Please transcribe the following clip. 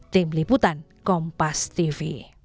tim liputan kompas tv